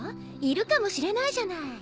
いるかもしれないじゃない。